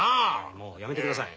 もうやめてください。